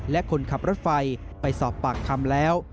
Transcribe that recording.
และคนขับรถไฟไปสอบปากคำแล้ว